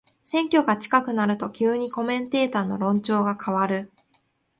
選挙が近くなると急にコメンテーターの論調が変わる